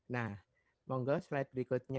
nah monggo slide berikutnya